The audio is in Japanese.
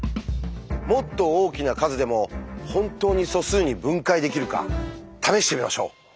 もっと大きな数でも本当に素数に分解できるか試してみましょう。